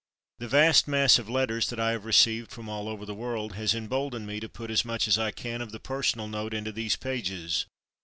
The vast mass of letters that I have received from all over the world has emboldened me to put as much as I can of the personal note into these pages.